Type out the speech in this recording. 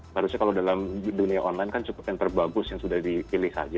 harusnya kalau dalam dunia online kan cukup yang terbagus yang sudah dipilih saja